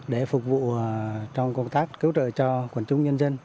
để phục vụ trong công tác cứu trợ cho quần chúng nhân dân